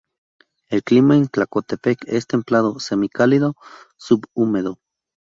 El clima en Tlacotepec es Templado Semicálido Subhúmedo.